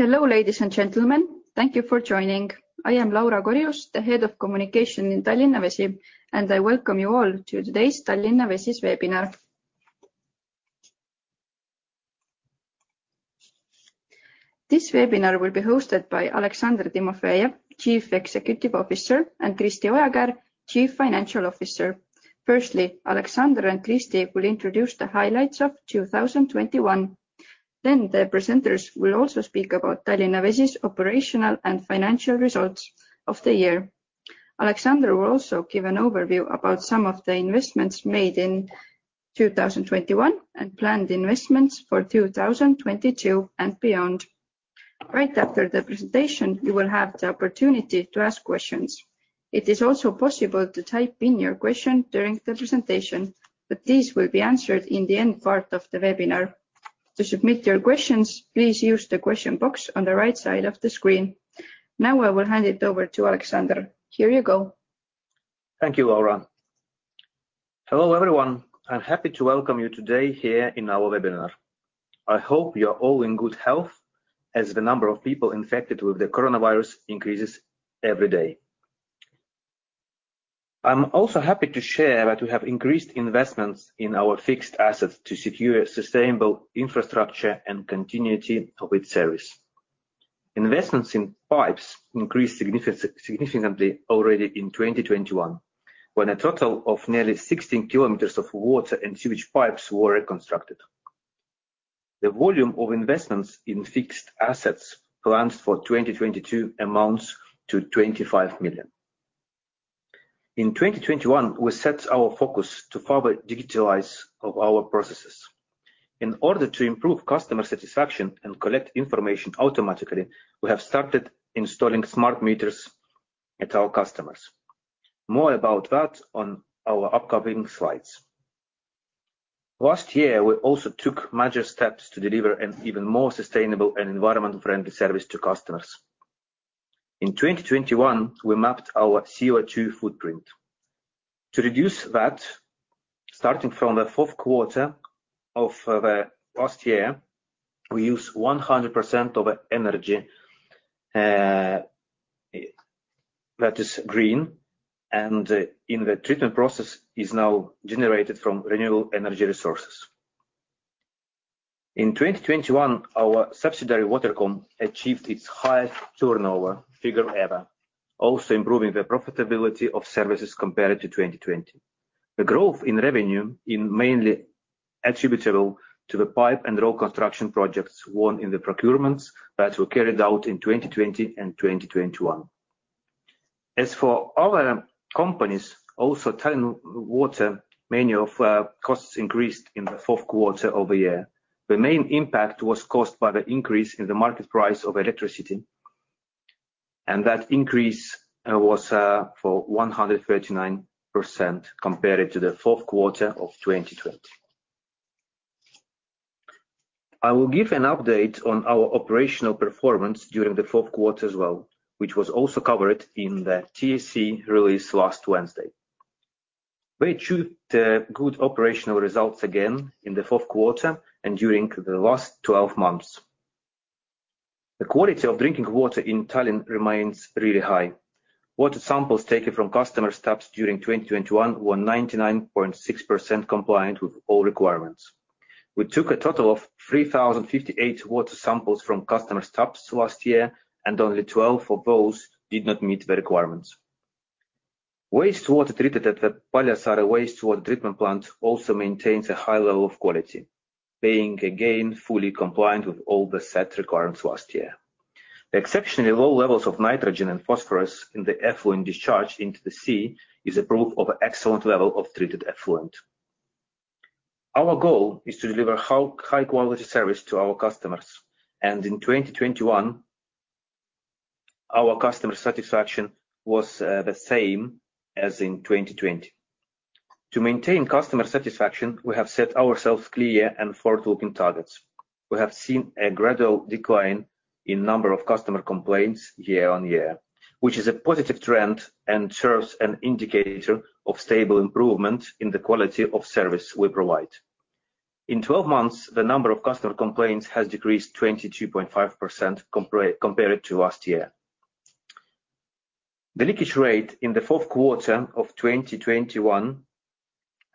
Hello, ladies and gentlemen. Thank you for joining. I am Laura Korjus, the Head of Communications in Tallinna Vesi, and I welcome you all to today's Tallinna Vesi's webinar. This webinar will be hosted by Aleksandr Timofejev, Chief Executive Officer, and Kristi Ojakäär, Chief Financial Officer. Firstly, Aleksandr and Kristi will introduce the highlights of 2021, then the presenters will also speak about Tallinna Vesi's operational and financial results of the year. Aleksandr will also give an overview about some of the investments made in 2021 and planned investments for 2022 and beyond. Right after the presentation, you will have the opportunity to ask questions. It is also possible to type in your question during the presentation, but these will be answered in the end part of the webinar. To submit your questions, please use the question box on the right side of the screen. Now, I will hand it over to Aleksandr. Here you go. Thank you, Laura. Hello, everyone. I'm happy to welcome you today here in our webinar. I hope you're all in good health as the number of people infected with the coronavirus increases every day. I'm also happy to share that we have increased investments in our fixed assets to secure sustainable infrastructure and continuity of its service. Investments in pipes increased significantly already in 2021, when a total of nearly 16 km of water and sewage pipes were reconstructed. The volume of investments in fixed assets planned for 2022 amounts to 25 million. In 2021, we set our focus to further digitalization of our processes. In order to improve customer satisfaction and collect information automatically, we have started installing smart meters at our customers. More about that on our upcoming slides. Last year, we also took major steps to deliver an even more sustainable and environment-friendly service to customers. In 2021, we mapped our CO2 footprint. To reduce that, starting from the fourth quarter of last year, we use 100% of energy that is green and in the treatment process is now generated from renewable energy resources. In 2021, our subsidiary, Watercom, achieved its highest turnover figure ever, also improving the profitability of services compared to 2020. The growth in revenue is mainly attributable to the pipe and road construction projects won in the procurements that were carried out in 2020 and 2021. As for other companies, also Tallinn Water, many of our costs increased in the fourth quarter of the year. The main impact was caused by the increase in the market price of electricity, and that increase was for 139% compared to the fourth quarter of 2020. I will give an update on our operational performance during the fourth quarter as well, which was also covered in the TSE release last Wednesday. We achieved good operational results again in the fourth quarter and during the last 12 months. The quality of drinking water in Tallinn remains really high. Water samples taken from customer taps during 2021 were 99.6% compliant with all requirements. We took a total of 3,058 water samples from customer's taps last year, and only 12 of those did not meet the requirements. Wastewater treated at the Paljassaare Wastewater Treatment Plant also maintains a high level of quality, being again fully compliant with all the set requirements last year. The exceptionally low levels of nitrogen and phosphorus in the effluent discharge into the sea is a proof of excellent level of treated effluent. Our goal is to deliver high quality service to our customers, and in 2021, our customer satisfaction was the same as in 2020. To maintain customer satisfaction, we have set ourselves clear and forward-looking targets. We have seen a gradual decline in number of customer complaints year-on-year, which is a positive trend and serves an indicator of stable improvement in the quality of service we provide. In 12 months, the number of customer complaints has decreased 22.5% compared to last year. The leakage rate in the fourth quarter of 2021,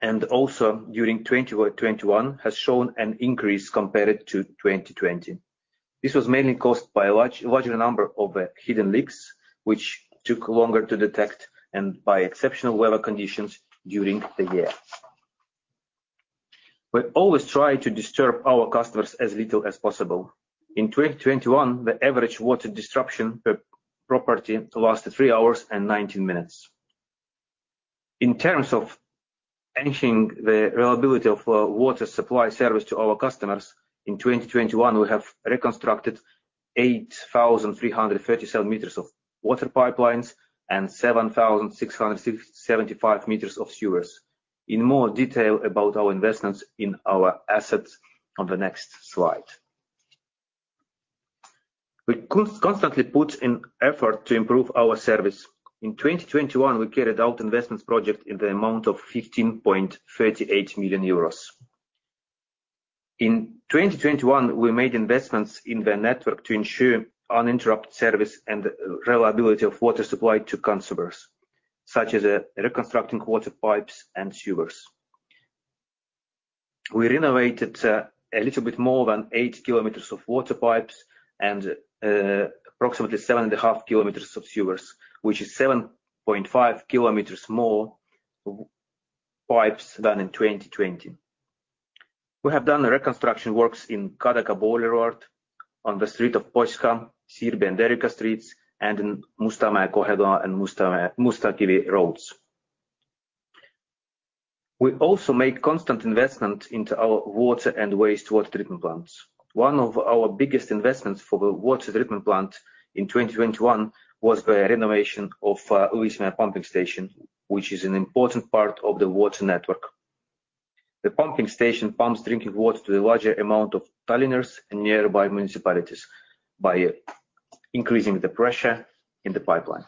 and also during 2021, has shown an increase compared to 2020. This was mainly caused by a larger number of hidden leaks, which took longer to detect, and by exceptional weather conditions during the year. We always try to disturb our customers as little as possible. In 2021, the average water disruption per property lasted three hours and 19 minutes. In terms of ensuring the reliability of water supply service to our customers, in 2021, we have reconstructed 8,337 meters of water pipelines and 7,667 meters of sewers. In more detail about our investments in our assets on the next slide. We constantly put in effort to improve our service. In 2021, we carried out investments project in the amount of 15.38 million euros. In 2021, we made investments in the network to ensure uninterrupted service and reliability of water supply to consumers, such as reconstructing water pipes and sewers. We renovated a little bit more than 8 km of water pipes and approximately 7.5 km of sewers, which is 7.5 km more pipes than in 2020. We have done the reconstruction works in Kadaka boiler road on the street of Poska, Sirbi and Erika streets, and in Mustamäe Kadaka and Mustakivi roads. We also make constant investment into our water and wastewater treatment plants. One of our biggest investments for the water treatment plant in 2021 was the renovation of Ülemiste pumping station, which is an important part of the water network. The pumping station pumps drinking water to the larger amount of Tallinners and nearby municipalities by increasing the pressure in the pipeline.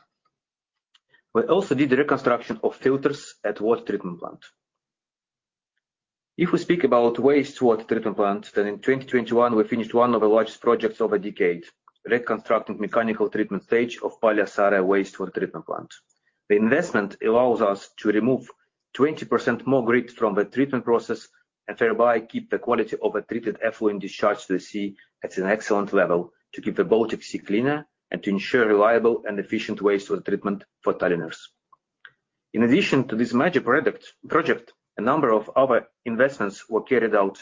We also did the reconstruction of filters at water treatment plant. If we speak about wastewater treatment plant, then in 2021 we finished one of the largest projects of a decade, reconstructing mechanical treatment stage of Paljassaare wastewater treatment plant. The investment allows us to remove 20% more grit from the treatment process and thereby keep the quality of a treated effluent discharge to the sea at an excellent level to keep the Baltic Sea cleaner and to ensure reliable and efficient wastewater treatment for Tallinners. In addition to this major project, a number of other investments were carried out,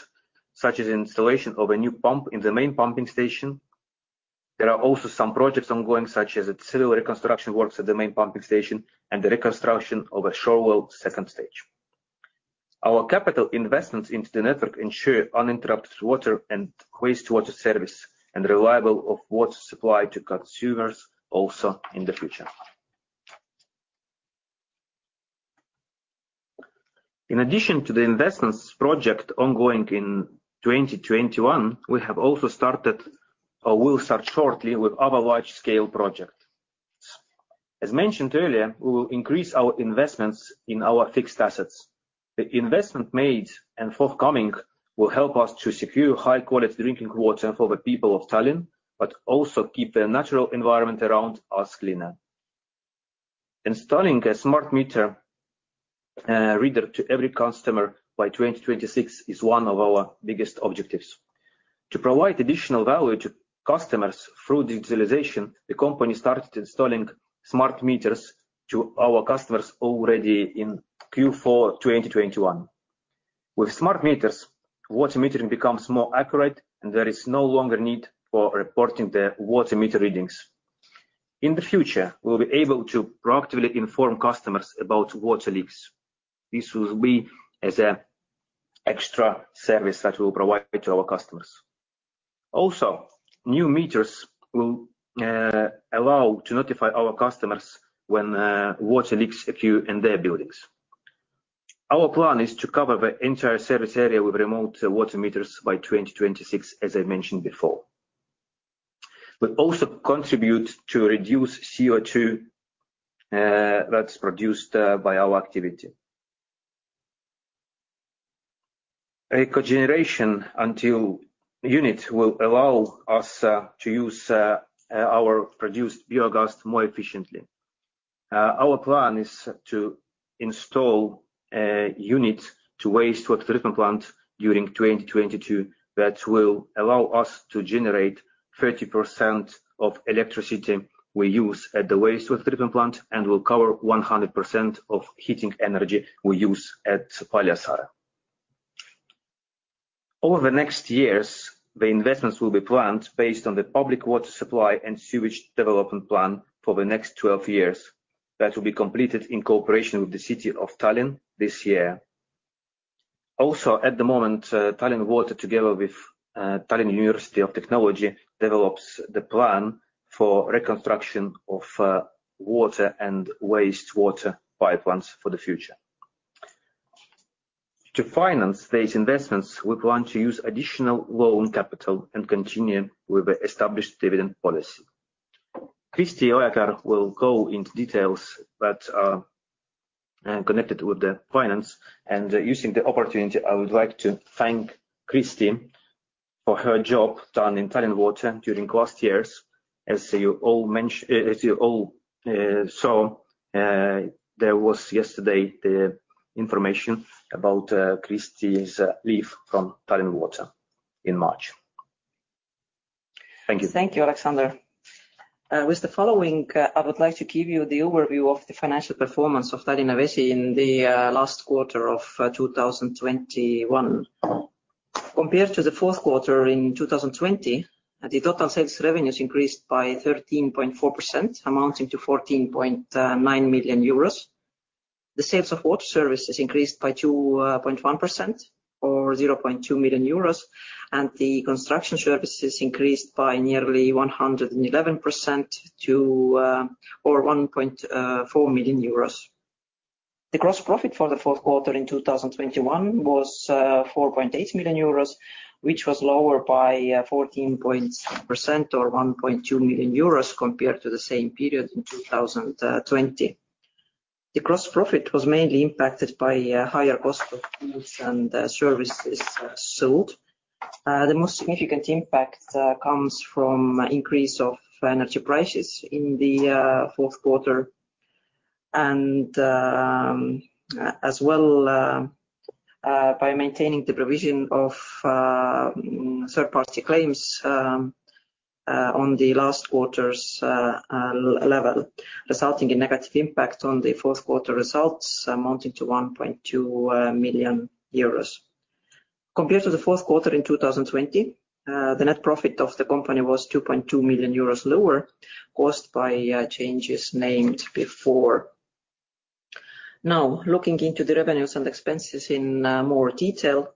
such as installation of a new pump in the main pumping station. There are also some projects ongoing, such as civil reconstruction works at the main pumping station and the reconstruction of a shore well second stage. Our capital investments into the network ensure uninterrupted water and wastewater service and reliability of water supply to consumers also in the future. In addition to the investment projects ongoing in 2021, we have also started or will start shortly with other large-scale projects. As mentioned earlier, we will increase our investments in our fixed assets. The investments made and forthcoming will help us to secure high-quality drinking water for the people of Tallinn, but also keep the natural environment around us cleaner. Installing a smart meter reader to every customer by 2026 is one of our biggest objectives. To provide additional value to customers through digitalization, the company started installing smart meters to our customers already in Q4 2021. With smart meters, water metering becomes more accurate, and there is no longer need for reporting the water meter readings. In the future, we'll be able to proactively inform customers about water leaks. This will be an extra service that we'll provide to our customers. Also, new meters will allow to notify our customers when water leaks occur in their buildings. Our plan is to cover the entire service area with remote water meters by 2026, as I mentioned before. We also contribute to reduce CO2 that's produced by our activity. A cogeneration unit will allow us to use our produced biogas more efficiently. Our plan is to install a unit to wastewater treatment plant during 2022 that will allow us to generate 30% of electricity we use at the wastewater treatment plant and will cover 100% of heating energy we use at Paljassaare. Over the next years, the investments will be planned based on the public water supply and sewage development plan for the next 12 years. That will be completed in cooperation with the city of Tallinn this year. Also at the moment, Tallinn Water, together with, Tallinn University of Technology, develops the plan for reconstruction of, water and wastewater pipelines for the future. To finance these investments, we plan to use additional loan capital and continue with the established dividend policy. Kristi Ojakäär will go into details that are, connected with the finance. Using the opportunity, I would like to thank Kristi for her job done in Tallinn Water during the last years. As you all saw, there was yesterday the information about Kristi's leave from Tallinn Water in March. Thank you. Thank you, Aleksandr. With the following, I would like to give you the overview of the financial performance of Tallinna Vesi in the last quarter of 2021. Compared to the fourth quarter in 2020, the total sales revenues increased by 13.4%, amounting to 14.9 million euros. The sales of water services increased by 2.1% or 0.2 million euros, and the construction services increased by nearly 111% or 1.4 million euros. The gross profit for the fourth quarter in 2021 was 4.8 million euros, which was lower by 14% or 1.2 million euros compared to the same period in 2020. The gross profit was mainly impacted by higher cost of goods and services sold. The most significant impact comes from increase of energy prices in the fourth quarter. And as well by maintaining the provision of third-party claims on the last quarter's level, resulting in negative impact on the fourth quarter results amounting to 1.2 million euros. Compared to the fourth quarter in 2020, the net profit of the company was 2.2 million euros lower, caused by changes named before. Now, looking into the revenues and expenses in more detail.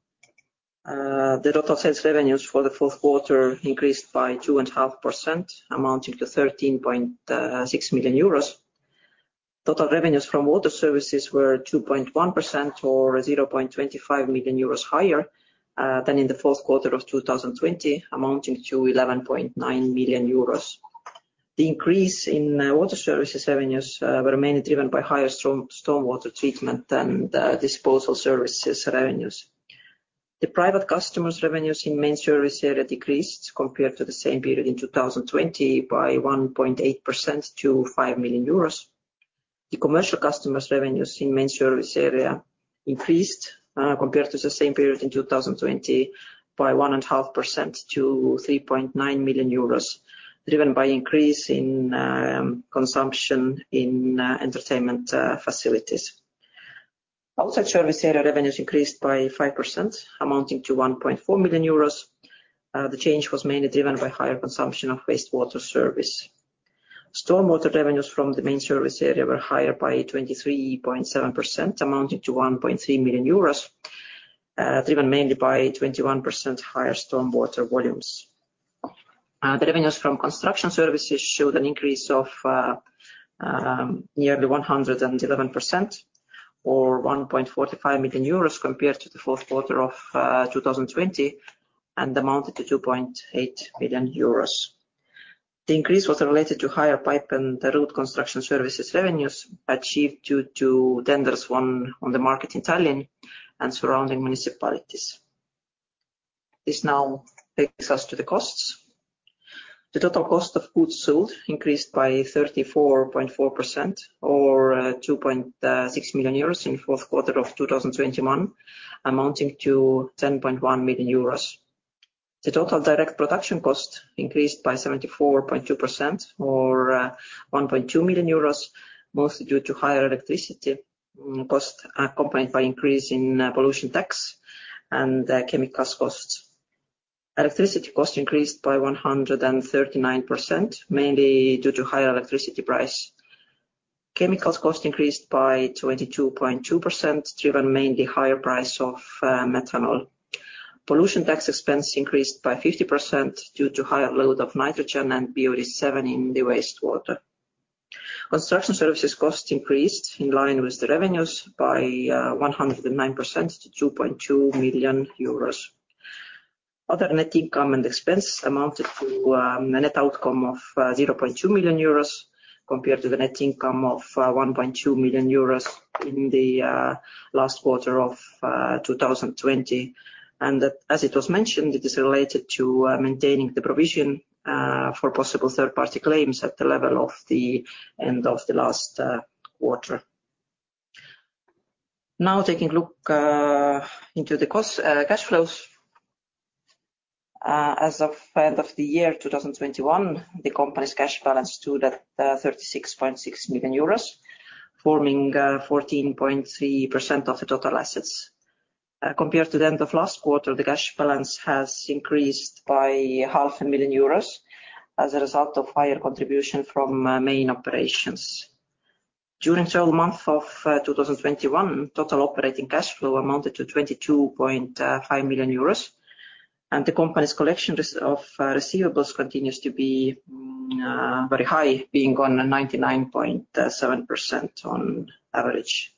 The total sales revenues for the fourth quarter increased by 2.5%, amounting to 13.6 million euros. Total revenues from water services were 2.1% or 0.25 million euros higher than in the fourth quarter of 2020, amounting to 11.9 million euros. The increase in water services revenues were mainly driven by higher storm water treatment and the disposal services revenues. The private customers' revenues in main service area decreased compared to the same period in 2020 by 1.8% to 5 million euros. The commercial customers' revenues in main service area increased compared to the same period in 2020 by 1.5% to 3.9 million euros, driven by increase in consumption in entertainment facilities. Outside service area revenues increased by 5%, amounting to 1.4 million euros. The change was mainly driven by higher consumption of wastewater service. Storm water revenues from the main service area were higher by 23.7%, amounting to 1.3 million euros, driven mainly by 21% higher storm water volumes. The revenues from construction services showed an increase of nearly 111% or 1.45 million euros compared to the fourth quarter of 2020, and amounted to 2.8 million euros. The increase was related to higher pipe and the road construction services revenues achieved due to tenders won on the market in Tallinn and surrounding municipalities. This now takes us to the costs. The total cost of goods sold increased by 34.4% or 2.6 million euros in fourth quarter of 2021, amounting to 10.1 million euros. The total direct production cost increased by 74.2% or 1.2 million euros, mostly due to higher electricity cost, accompanied by increase in pollution tax and chemicals costs. Electricity cost increased by 139%, mainly due to higher electricity price. Chemicals cost increased by 22.2%, driven mainly by higher price of methanol. Pollution tax expense increased by 50% due to higher load of nitrogen and BOD7 in the wastewater. Construction services cost increased in line with the revenues by 109% to 2.2 million euros. Other net income and expense amounted to a net outcome of 0.2 million euros compared to the net income of 1.2 million euros in the last quarter of 2020. As it was mentioned, it is related to maintaining the provision for possible third-party claims at the level of the end of the last quarter. Now, taking a look into the cash flows. As of the end of the year 2021, the company's cash balance stood at 36.6 million euros, forming 14.3% of the total assets. Compared to the end of last quarter, the cash balance has increased by half a million EUR as a result of higher contribution from main operations. During 12 months of 2021, total operating cash flow amounted to 22.5 million euros, and the company's collection of receivables continues to be very high, being at 99.7% on average.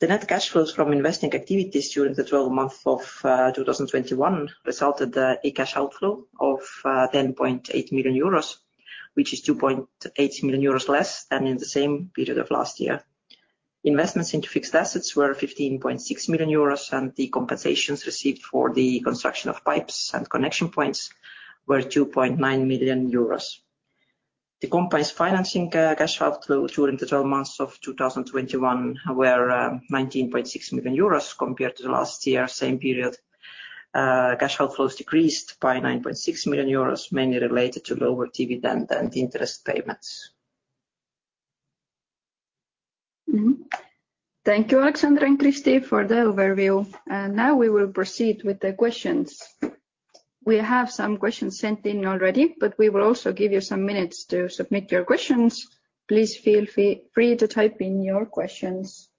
The net cash flows from investing activities during the 12 months of 2021 resulted in a cash outflow of 10.8 million euros, which is 2.8 million euros less than in the same period of last year. Investments into fixed assets were 15.6 million euros, and the compensations received for the construction of pipes and connection points were 2.9 million euros. The company's financing cash outflow during the 12 months of 2021 were 19.6 million euros compared to the last year same period. Cash outflows decreased by 9.6 million euros, mainly related to lower dividend and interest payments. Thank you, Aleksandr and Kristi, for the overview. Now we will proceed with the questions. We have some questions sent in already, but we will also give you some minutes to submit your questions. Please feel free to type in your questions.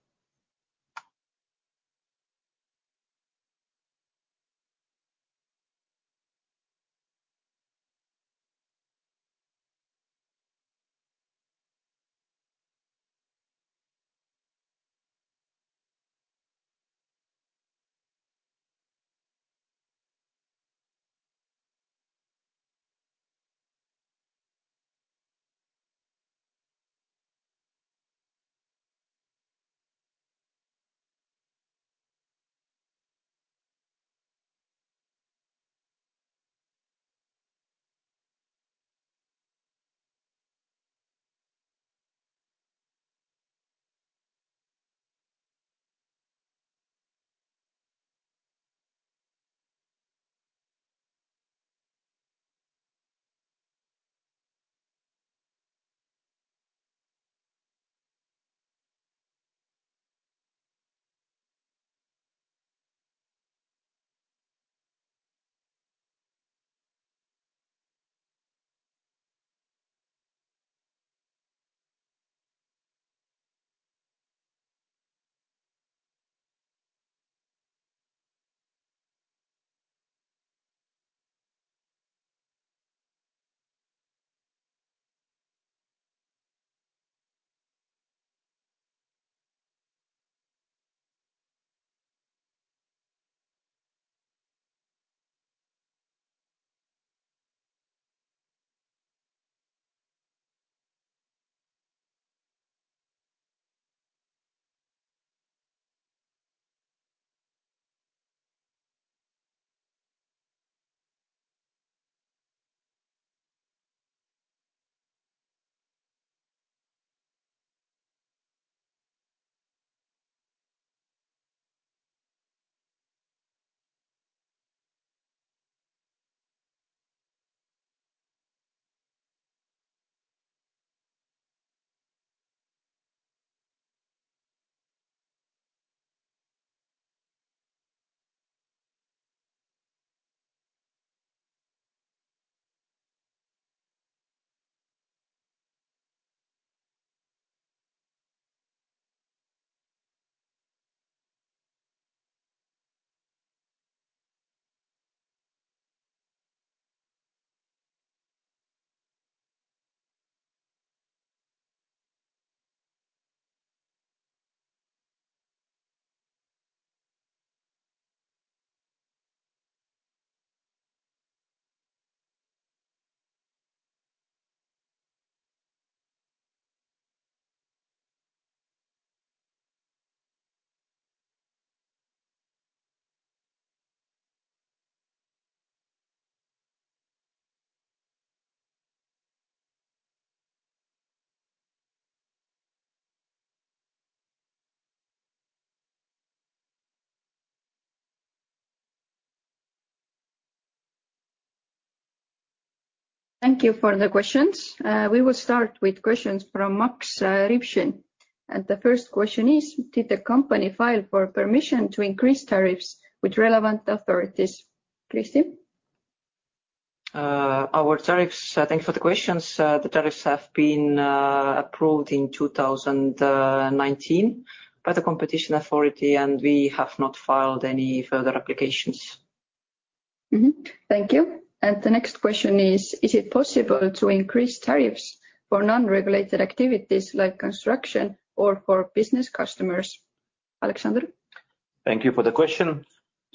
Thank you for the questions. We will start with questions from Max Ripshin. The first question is: Did the company file for permission to increase tariffs with relevant authorities? Kristiina? Our tariffs. Thank you for the questions. The tariffs have been approved in 2019 by the Competition Authority, and we have not filed any further applications. Thank you. The next question is: Is it possible to increase tariffs for non-regulated activities like construction or for business customers? Aleksandr? Thank you for the question.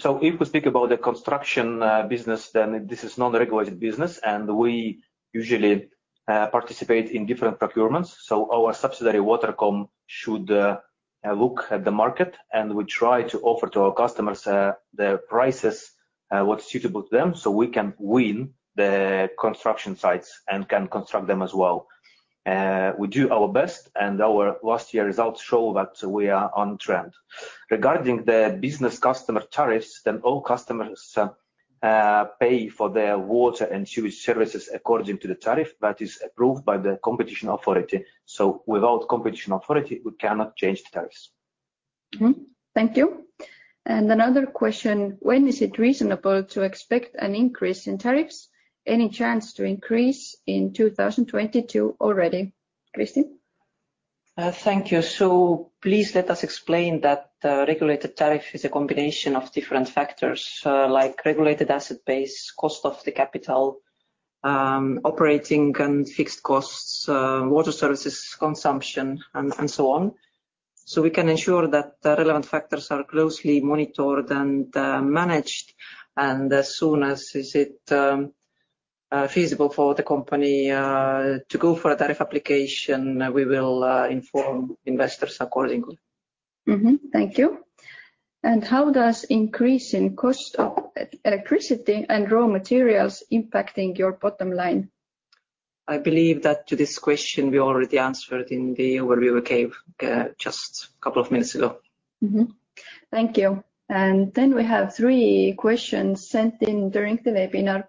If we think about the construction business, then this is non-regulated business, and we usually participate in different procurements. Our subsidiary, Watercom, should look at the market, and we try to offer to our customers the prices what's suitable to them, so we can win the construction sites and can construct them as well. We do our best, and our last year results show that we are on trend. Regarding the business customer tariffs, then all customers pay for their water and sewage services according to the tariff that is approved by the competition authority. Without competition authority, we cannot change the tariffs. Thank you. Another question: When is it reasonable to expect an increase in tariffs? Any chance to increase in 2022 already? Kristiina? Thank you. Please let us explain that the regulated tariff is a combination of different factors, like regulated asset base, cost of the capital, operating and fixed costs, water services consumption and so on. We can ensure that the relevant factors are closely monitored and managed, and as soon as it is feasible for the company to go for a tariff application, we will inform investors accordingly. Thank you. How does increase in cost of electricity and raw materials impacting your bottom line? I believe that to this question, we already answered in the overview we gave, just couple of minutes ago. Mm-hmm. Thank you. Then we have three questions sent in during the webinar,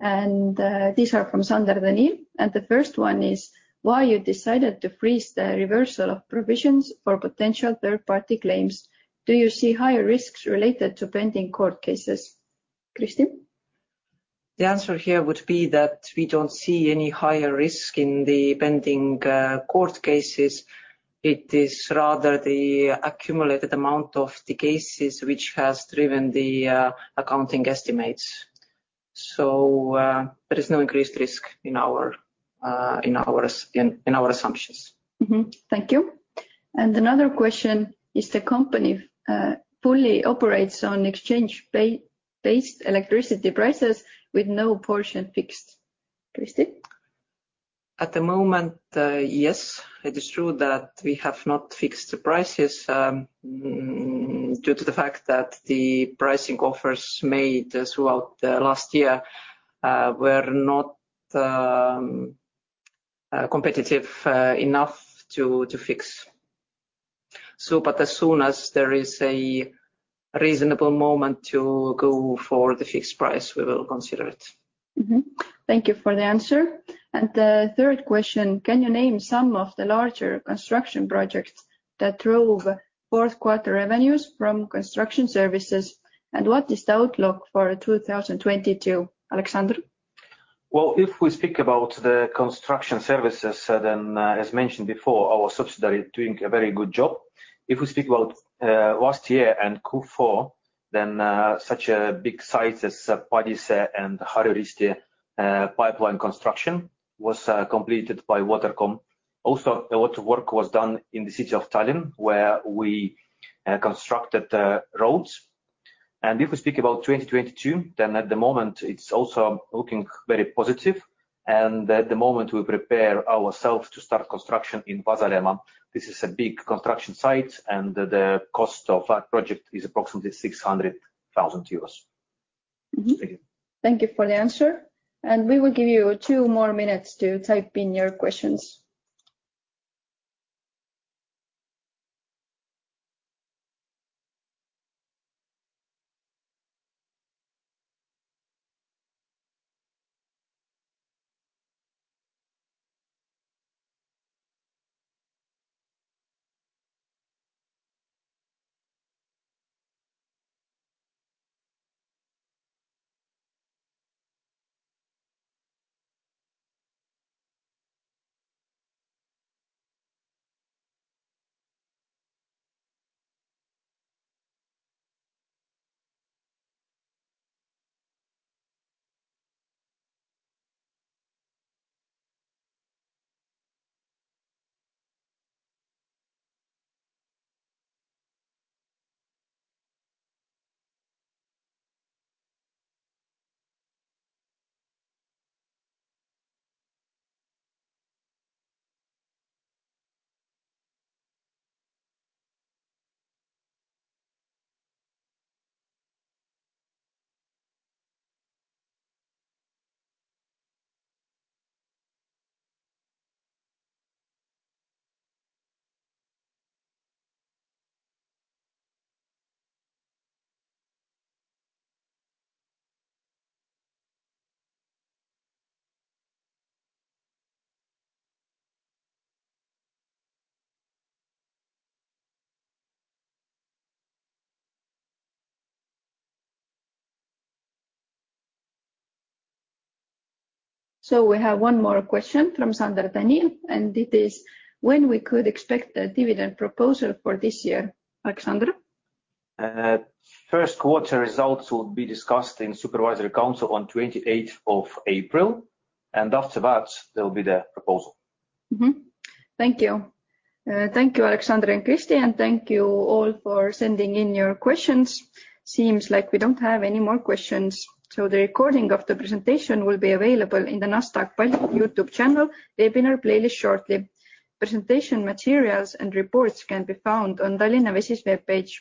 and these are from Sander Danil. The first one is: Why you decided to freeze the reversal of provisions for potential third-party claims? Do you see higher risks related to pending court cases? Kristiina? The answer here would be that we don't see any higher risk in the pending court cases. It is rather the accumulated amount of the cases which has driven the accounting estimates. There is no increased risk in our assumptions. Thank you. Another question, is the company fully operates on exchange based electricity prices with no portion fixed? Kristi? At the moment, yes, it is true that we have not fixed the prices due to the fact that the pricing offers made throughout the last year were not competitive enough to fix. As soon as there is a reasonable moment to go for the fixed price, we will consider it. Thank you for the answer. The third question, can you name some of the larger construction projects that drove fourth quarter revenues from construction services, and what is the outlook for 2022? Aleksandr? Well, if we speak about the construction services, then, as mentioned before, our subsidiary doing a very good job. If we speak about last year and Q4 then, such a big sites as Padise and Haabneeme, pipeline construction was completed by Watercom. Also, a lot of work was done in the city of Tallinn, where we constructed the roads. If we speak about 2022, then at the moment it's also looking very positive and at the moment we prepare ourself to start construction in Pääsküla. This is a big construction site and the cost of that project is approximately 600,000 euros. Mm-hmm. Thank you. Thank you for the answer. We will give you two more minutes to type in your questions. We have one more question from Sander Danil, and it is: when we could expect a dividend proposal for this year? Aleksandr? First quarter results will be discussed in Supervisory Council on 28th of April, and after that there will be the proposal. Thank you. Thank you, Aleksandr and Kristi, and thank you all for sending in your questions. Seems like we don't have any more questions, so the recording of the presentation will be available in the Nasdaq Tallinn YouTube channel webinar playlist shortly. Presentation materials and reports can be found on Tallinna Vesi webpage.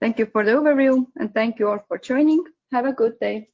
Thank you for the overview, and thank you all for joining. Have a good day.